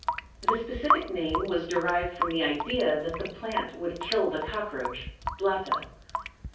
The specific name was derived from the idea that the plant would kill the cockroach (Blatta).